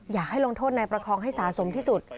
อยากให้ลงโทษนายประคองให้สะสมที่สุด